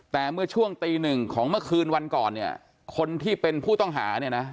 แต่เมื่อช่วงตีหนึ่งของเมื่อคืนวันก่อนเนี่ยคนที่เป็นผู้ต้องหาเนี่ยนะ